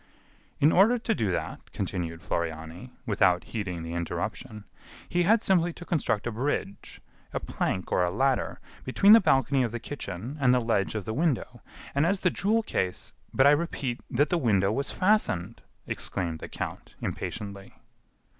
"In order to do that," continued Floriani, without heeding the interruption, "he had simply to construct a bridge, a plank or a ladder, between the balcony of the kitchen and the ledge of the window, and as the jewel case " "But I repeat that the window was fastened," exclaimed the count, impatiently.